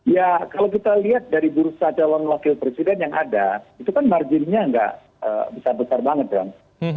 ya kalau kita lihat dari bursa calon wakil presiden yang ada itu kan marginnya nggak besar besar banget dong